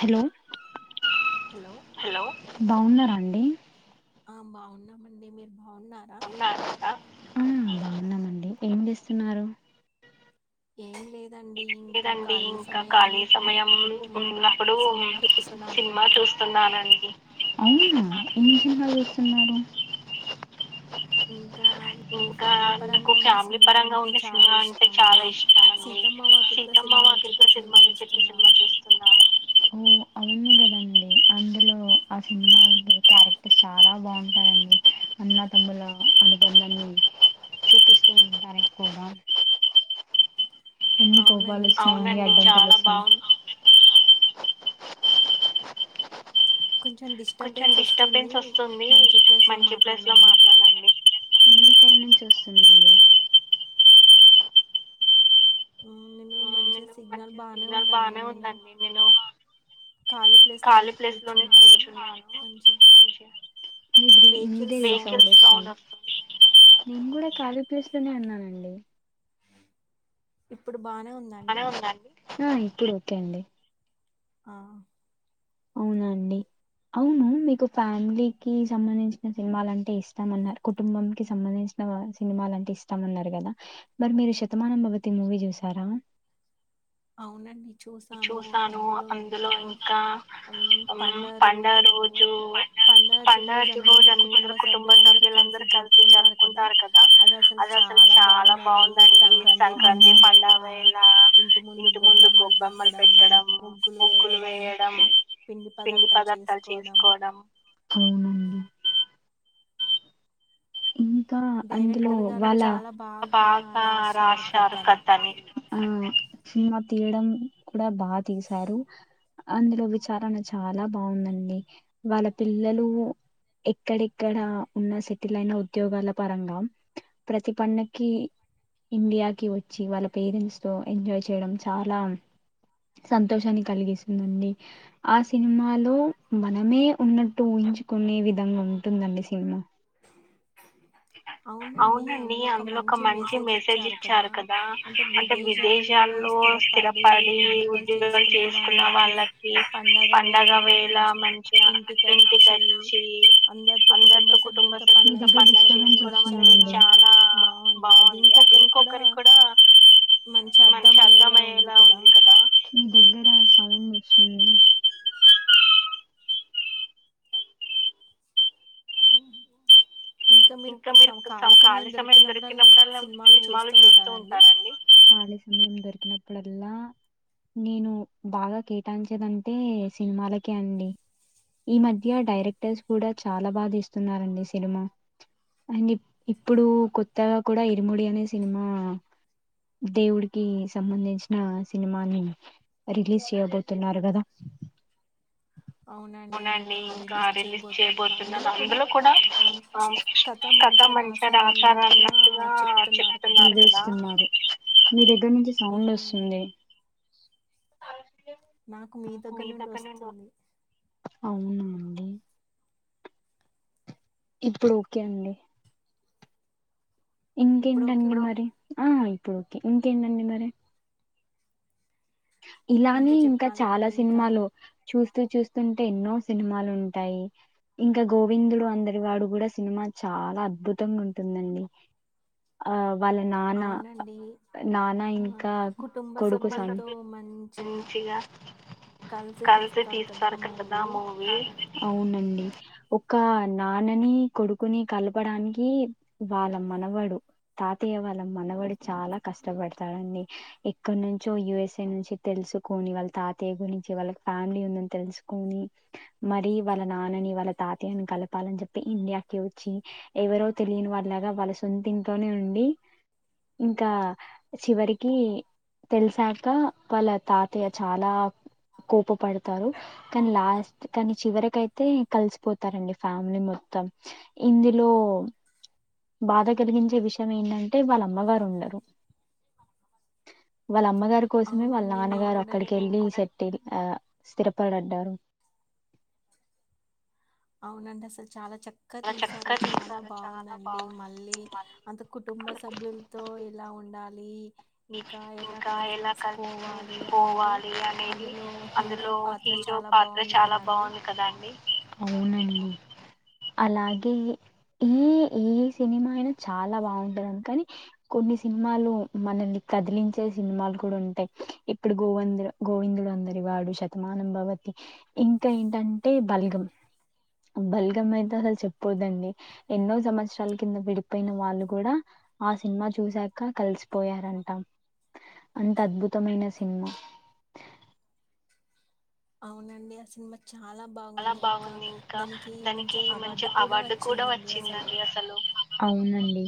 Hello hello బాగున్నారా అండి ఆ బాగున్నామండి మీరు బాగున్న హ్మ్ బాగున్నామండి ఏం చేస్తున్నారు ఏమ్ లేదు లేదండి ఇంకా ఖాళీ సమయం ఉన్నప్పుడు సినిమా చూస్తున్నానండి. ఏ సినిమా చూస్తున్నారు ఇంకా నాకు ఫ్యామిలీ పరంగా ఉన్న సినిమా అంటే చాలా ఇష్టం అండి సీతమ్మ సీతమ్మ వాకిట్లో సిరిమల్లె చెట్టు సినిమా చూస్తున్నాను. అవును కదండి అందులో ఆ సినిమా క్యారెక్టర్ చాలా బాగుంటారండి అన్న తమ్ములాగా అనుబంధం చూపిస్తూ ఉంటారు కూడా ఎన్ని కోపాలు వచ్చినా కూడా [unintelligible] కొంచెం డిస్టర్బెన్స్ వస్తుంది మంచి ప్లేస్ లో మాట్లాడండి [unintelligible] [inaudible] నేను మంచిగ సిగ్ సిగ్నల్ బాగానే ఉందండి నేను ఖళీ ప్లేస్ లోనే కూర్చున్నాను మీదే రిసౌండ్ వస్తుంది నేను కూడా కాళి ప్లేస్ లోనే ఉన్నానండి ఇప్పుడు [unintelligible] ఇప్పుడు ఓకే అండి ఆ అవునండి అవును మీకు ఫ్యామిలీకి సంబంధించిన సినిమాలంటే ఇష్టమన్నారు కుటుంబం కి సంబంధించిన సినిమాలంటే ఇస్తామన్నారు కదా మరి మీరు శతమానంభవతి మూవీ చూసారా అవునండి చూసాను అందులో ఇంకా పండగ రోజు పండగ రోజు అందరు కుటుంబ సభ్యులందరుూ కలిసి జరుపుకుంటారు కదా అది అసలు చాలా బాగుందండి సంక్రాంతి పండగ వేళ ఇంటి ముందు గొబ్బమ్మ ట్టడం ముగ్గులు వేయడం పిండి పదార్థాలు చేసుకోవడం ఉ అందులో వాళ్ళ బాగా రాశారు కథని ఆ సినిమా తీయడం కూడా బాగా తీశారు అందులో విచారణ చాలా బాగుందండి వాళ్ళ పిల్లలు ఎక్కడెక్కడ ఉన్న సక్ లైన ఉద్యోగాల పరంగా ప్రతి పండకి ఇండియాకి వచ్చి వాళ్ళ పేరెంట్స్ తో ఎంజాయ్ చేయడం చాలా సంతోషాన్ని కలిగిస్తుందండి ఆ సినిమాలో మనమే ఉన్నట్టు ఊహించుకునే విధంగా ఉంటుందండి సినిమా అవునండి అందులో ఒక మంచి మెసేజ్ ఇచ్చారు కదా అంటే విదేశాల్లో స్థిరపడి ఉద్యోగాలు చేసుకున్న వాళ్ళకి పండగ వేళ మంచిగా ఇంటికి వచ్చి అందరితో కుటుంబ సభ్యులతో పడుగ చేసుకోవడం ఉ చాలా బాగుంది అది ఇంకొకరికి కూడా మంచి అర్థమయ్యేలా ఉంది కదా [unintelligible] [inaudible] ఇంకా మీరు సమ్ ఖాళీ సమయం దొరికినప్పుడుల్లా సినిమాలు చూస్తూ ఉంటారండి సమయం దొరికినప్పుడల్లా నేను బాగా కేటాయించేదంటే సినిమాలకే అండి ఈ మధ్య డైరెక్టర్స్ కూడా చాలా బాగా తీస్తున్నారండీ సినిమాలు అండ్ ఇప్పుడు కొత్తగా కూడా ఇరుముడి అనే సినిమా దేవుడికి సంబంధించిన సినిమాని రిలీజ్ చేయబోతున్నారు కదా అవునండి ఇంకా రిలీజ్ చేయబోతున్నారు అందులో కూడా ఆ కథ మంచిగా రాసారు అన్నట్టుగా చెప్తున్నారు కదా మీ దగ్గర నుంచి సౌండ్ వస్తుంది అ నాకు మీ దగ్గర నుండి వస్తుంది అవునండి ఇప్పుడు ఓకే అండి ఇంకేంటండి మరి ఆ ఇప్పుడు ఓకే ఇంకేందండి మరి. ఇలానే ఇంకా చాలా సినిమాలు చూసి స్తు చూస్తుంటే ఎన్నో సినిమాలు ఉంటాయి ఇం ఇంకా గోవిందుడు అందరి వాడు కూడా సే సినిమా చాలా అద్భుతంగా ఉంటుందండి. ఆ వాళ్ళ నాన్న నాన్న ఇంకా కొడుకు సం మంచిగా కలిసి తీస్తారు కదా మూవీ. అవునండి. ఒక నాన్నని కొడుకుని కలపడానికి వాళ్ళ మనవడు తాతయ్య వాళ్ళ మనవాడు చాలా కష్టపడతాడండి. ఎక్కడ నుంచో యుఎస్ నుంచి తెలుసుకొని, వాళ్ళ తాతయ్య గురించి వాళ్ళకి ఫ్యామిలీ ఉందని తెలుసుకొని మరీ, వాళ్ళ నాన్నని వాళ్ళ తాతయ్యని కలపాలని చెప్పి ఇండియాకి వచ్చి, ఎవరో తెలియని వాళ్ళలాగా వాళ్ళ సొంత ఇంట్లోనే ఉండి, ఇంకా చివరికి తెలిసాక వాళ్ళ తాతయ్య చాలా కోప పడతారు. కానీ లాస్ట్ కానీ చివరకైతే కలిసిపోతారండి ఫ్యామిలీ మొత్తం. ఇందులో బాధ కలిగించే విషయం ఏంటంటే వాళ్ళ అమ్మగారు ఉండరు. వాళ్ళ అమ్మగారు మే వాళ్ళ నాన్నగారు అక్కడికేళ్ళి సె తేది ఆ స్థిరపడడ్డారు. అవునండి అసలు చాలా చక్క గా తీసారు చాలా బావుందండి. మళ్ళీ అంత కుటుంబ సభ్యులతో ఎలా ఉండాలి. ఇంకా ఎలా కలిసిమెలిసిపోవాలి అనేది అందులో హీరో పాత్ర చాలా బావుంది కదా అండి. ఉండింది. అలాగే ఏ ఏ సినిమా అయినా చాలా బావుంటది కాని కొన్ని సినిమాలు మనల్ని కదిలించే సినిమాలు కూడా ఉంటయి. ఇప్పుడు గోవంద గోవిందుడు అందరివాడు, శతమానం భవతి ఇంకా ఏంటంటే బల్గం. బల్గం అయితే అసలు చెప్పొద్దండి ఎన్నో సంవత్సరాల కింద విడిపోయిన వాళ్ళు కూడా ఆ సినిమా చూసాక కలిసిపోయారం ట అంత అద్భుతమైన సినిమా. అవునండి ఆ సినిమా చాలా బాగుంది, ఇంకా దానికి మంచి అవార్డు కూడా వచ్చిందండి అసలు. అవునండి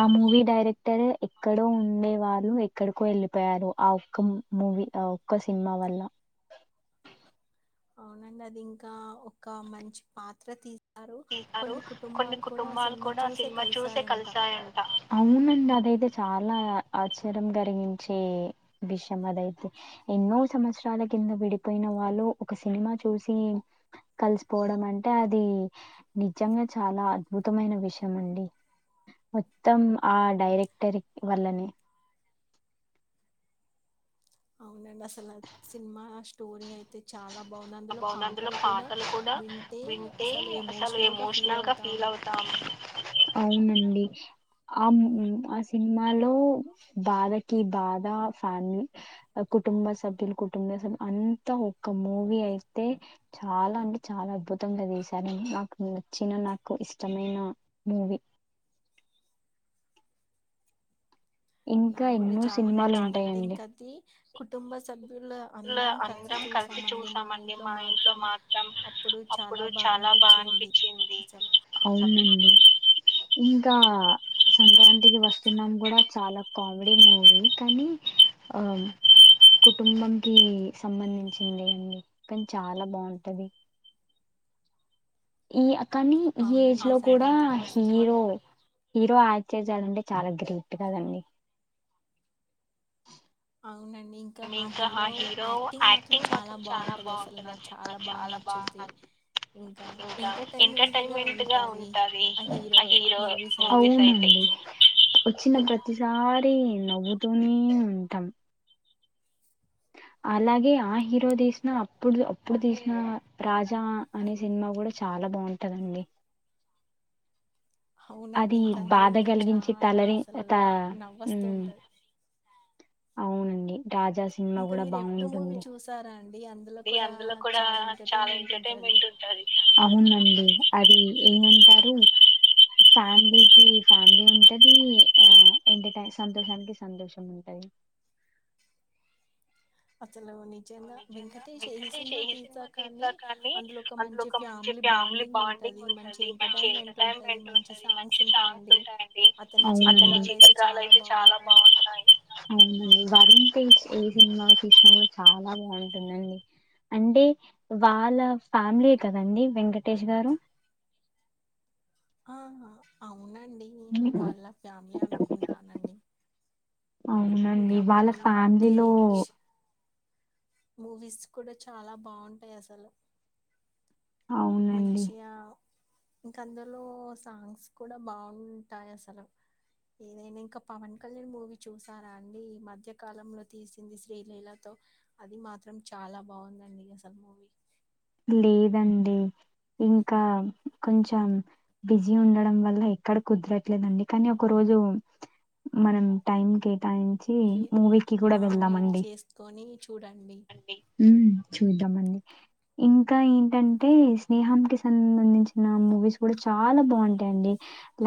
ఆ మూవీ డైరెక్టర్ ఎక్కడో ఉండేవాళ్ళు ఎక్కడికో ఎళ్ళిపోయారు. ఆ ఒక్క మూవీ ఆ ఒక్క సినిమా వల్లా. అవునండి అది ఇంకా ఒక మంచి పాత్ర తీ అవునే ఇంగా అదైతే చాలా ఆశ్చర్యం కరిగించే విషయం అదైతే. ఎన్నో సంవత్సరాల కింద విడిపోయిన వాళ్ళు ఒక సినిమా చూసి కలిసిపోవడం అంటే అది నిజంగా చాలా అద్భుతమైన విషయం అండి. మొత్తం ఆ డైరెక్టర్ వల్లనే అవునండి అసలు ఆ సినిమా అ స్టోరీ అయితే చా అవునండి. ఆ మూ ఆ సినిమాలో బాధకి బాధ, ఫ్యామిలీ కుటుంబ సభ్యులు కుటుంబ సభ్యులు అంతా ఒక్క మూవీ అయి తే చాలా అంటే చాలా అద్భుతంగా తీశారండి. నాకు నచ్చిన నాకు ఇష్టమైన మూవీ. నాకు కూడా చాలా నచ్చింది అంటే ఇంక అది కుటుంబ సభ్యు అవునండి. ఇంకా సంక్రాంతికి వస్తున్నాం కూడా చాలా కామెడీ మూవీ కానీ ఆ కుటుంబం కి సంబంధించిందే అండి కానీ చాలా బావుంటది. ఈ అ కానీ ఈ ఏజ్ లో కూడా హీరో హీరో చే జాలంటే చాలా గ్రేట్ కదండి అండ్ ఇంకా ఆ హీరో యాక్టింగ్ మాత్రం చాలా బాగుంటది అసలు నాకు చాలా బా ఇంకా ఎంటర్టైన్మెంట్ గా ఉంటది ఆ హీరో వచ్చిన ప్రతిసారి నవ్వుతూనే ఉంటాం అలాగే ఆ హీరో తీసిన అప్పుడు అప్పుడు తీసిన రాజా అనే సినిమా కూడా చాలా బాగుంటదండి అవునండి ఇంక అందులో ఇంకా చాలా అసలు నవ్వొస్తూ ఉంటది రాజా సినిమా కూడా బాగుంటుంది అ అందులో కూడా చాలా ఎంటర్టైన్మెంట్ ఉంటుంది అవునండి అది ఏమింటారు ఫ్యామిలీకి ఫ్యామిలీ ఉంటది ఆ ఎంటర్టైన్ సంతోషానికి సంతోషం ఉంటది ఆ నిజంగా వెంకట ఈ సినిమా తీసారు కానీ అందులో ఒక మంచి ఫ్యామిలీ బాండింగ్ ఉంటది మంచి ఎంటర్టైన్మెంట్ ఉంటది మంచి సాంగ్స్ ఉంటాయండి అతని చిత్రాలు అయితే చాలా బాగుంటాయి ఆ బా ఏ సినిమా తీసిన చాలా బాగుంటుందండి అంటే వాళ్ళ ఫ్యామిలీ కదండి వెంకటేష్ గారు ఆ అవును అవునండి వాళ్ళ ఫ్యామిలీ అనుకుంటానండి అవునండి వాళ్ళ ఫ్యామిలీలో మూవీస్ కూడా చాలా బాగుంటాయి అసలు మంచిగా ఇంకా అందులో సాంగ్స్ కూడా బాగుంటాయి అసలు ఏదైనా ఇంకా పవన్ కళ్యాణ్ మూవీ చూసారా అండి ఈ మధ్యకాలంలో తీసింది శ్రీలీలతో అది మాత్రం చాలా బాగుందండి అసలు మూవీ లేదండి ఇంకా కొంచెం బిజీ ఉండడం వల్ల ఎక్కడ కుదరట్లేదండి కానీ ఒక రోజు మనం టైం కి మంచి మూవీకిి కూడా వెళ్దాం అండి ఉ చూద్దామండి ఇంకా ఏంటంటే స్నేహం కి సంబంధించిన మూవీస్ కూడా చాలా బాగుంటాయిండి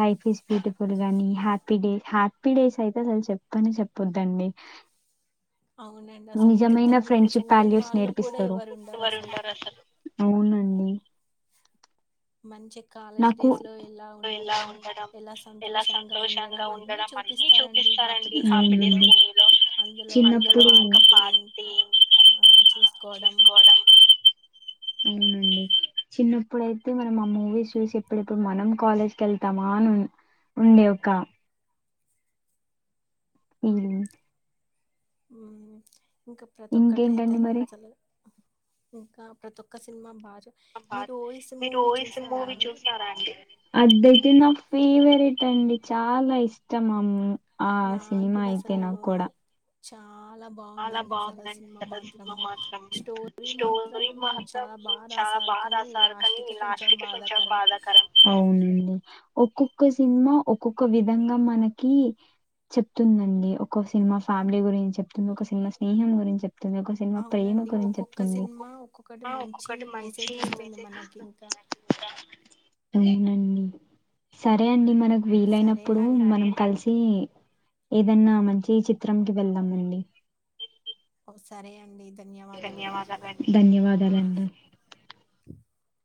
లైఫ్ ఇస్ బ్యూటిఫుల్ గాని హ్యాపీ డేస్ హ్యాపీ డేస్ అయితే అసలు చెప్పనే చెప్పొద్దండి అవునండి అసలు ఇంక దాన్ని చూడని వాళ్ళు కూడా ఎవరు ఉండరు అసలు అవునండి మంచి కాలేజ్ డేస్లో ఎలా ఉండడం ఎలా సంతోషంగా ఉండడం అన్నీ చూపిస్తారండి హ్యాపీ డేస్ మూవీలో అందులో ఇంకా పార్టీ ఇంకా చేసుకోవడం చిన్నప్పుడయితే మనం ఆ మూవీ చూసి ఇప్పుడుప్పుడు మనం కాలేజ్కి వెళ్తామా అని ఉండే ఒక ఉ ఉ ఇంకా ప్రతి ఒక్కటయితే అలంచలు ఇంకా ప్రతి ఒక్క సినిమా బాగా అబ్బా మీరు రోయిస్ మూవీ చూశారా అండి అదయితే నా ఫేవరెట్ అండి చాలా ఇష్టం అమ్ ఆ సినిమా అయితే నా కూడా చ చాలా బాగుందండి అసలు సినిమా మాత్రం స్టోరి మాత్రం చాలా బాగా రాసారు కానీ లాస్ట్ కె కొంచెం బాధాకరం అవునండి ఒక్కొక్క సినిమా ఒక్కొక్క విధంగా మనకి చెప్పుతుంది అండి ఒకో సినిమా ఫ్యామిలీ గురించి చెప్ తుంది ఒక సినిమా స్నేహం గురించి చెప్ తుంది ఒక సినిమా ప్రేమ గురించి చెప్తుంది ఆ ఒక్కొక్కటి మంచి మెసేజ్ ఇస్తుంది మనకు ఇంకా అవునండి సరే అండి మనక్ వీలైనప్పుడు మనం కలిసి ఏదైన్నా మంచి చిత్రంకి వెళ్దాం అండి ఓ సరే అండిద్ ధన్యవాదాలు అండి ధన్యవాద్ దాలండి [inaudible]